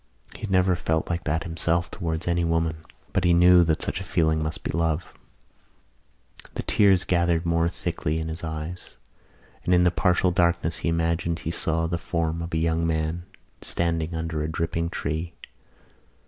He had never felt like that himself towards any woman but he knew that such a feeling must be love. The tears gathered more thickly in his eyes and in the partial darkness he imagined he saw the form of a young man standing under a dripping tree.